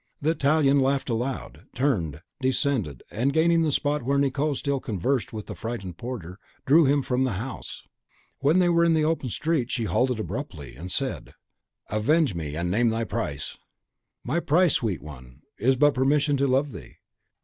The Italian laughed aloud, turned, descended, and, gaining the spot where Nicot still conversed with the frightened porter drew him from the house. When they were in the open street, she halted abruptly, and said, "Avenge me, and name thy price!" "My price, sweet one! is but permission to love thee.